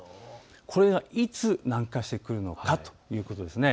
これがいつ南下してくるのかということです。